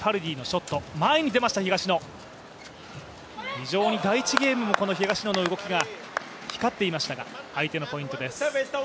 非常に第１ゲームも東野の動きが光っていましたが相手のポイントです。